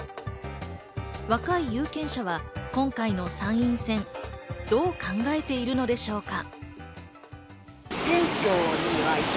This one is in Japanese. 若い有権者は今回の参院選、どう考えているのでしょうか？